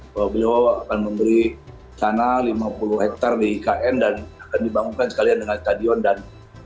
bahwa beliau akan memberi tanah lima puluh hektare di ikn dan akan dibangunkan sekalian dengan stadion dan